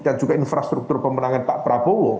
dan juga infrastruktur pemenangan pak prabowo